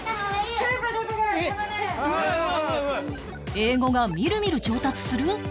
英語がみるみる上達する！？